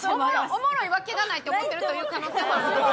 おもろいわけがないって思ってるという可能性もある。